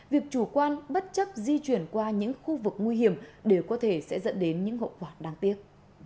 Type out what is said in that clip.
việc chủ quan bất chấp di chuyển qua những khu vực nguy hiểm đều có thể sẽ dẫn đến những hậu quả đáng tiếc